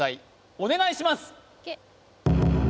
お願いします